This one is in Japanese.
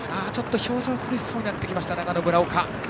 表情苦しそうになってきました長野の村岡。